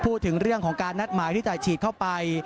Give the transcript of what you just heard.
พูดถึงเรื่องของการนัดหมายที่จะฉีดเข้าไป